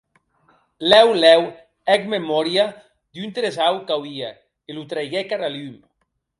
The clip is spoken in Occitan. Lèu lèu hec memòria d'un tresaur qu'auie, e lo treiguec ara lum.